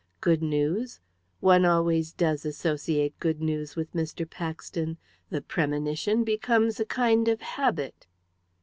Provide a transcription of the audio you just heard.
"Good news? One always does associate good news with Mr. Paxton. The premonition becomes a kind of habit."